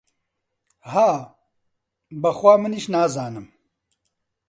ها، بە خوا منیش نازانم!